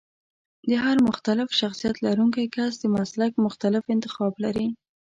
د هر مختلف شخصيت لرونکی کس د مسلک مختلف انتخاب لري.